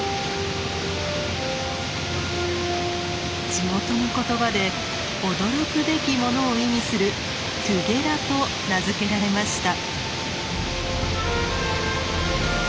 地元の言葉で「驚くべきもの」を意味する「トゥゲラ」と名付けられました。